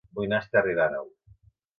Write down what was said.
Vull anar a Esterri d'Àneu